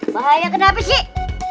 bahaya kenapa sih